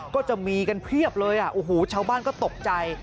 ก็จะมีกันเพียบเลยชาวบ้านก็ตกใจ